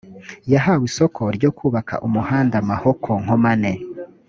yahawe isoko ryo kubaka umuhanda mahoko nkomane